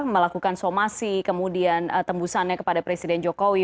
melakukan somasi kemudian tembusannya kepada presiden jokowi